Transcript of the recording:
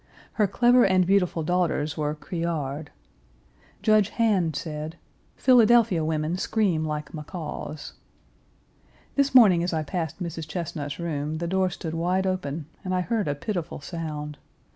Her clever and beautiful daughters were criard. Judge Han said: "Philadelphia women scream like macaws." This morning as I passed Mrs. Chesnut's room, the door stood wide open, and I heard a pitiful sound.